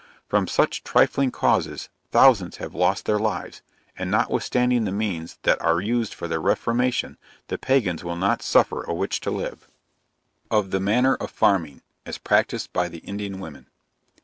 From such trifling causes thousands have lost their lives, and notwithstanding the means that are used for their reformation, the pagans will not suffer "a witch to live." OF THE MANNER OF FARMING, AS PRACTISED BY THE INDIAN WOMEN.